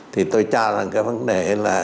thì tôi cho rằng cái vấn đề là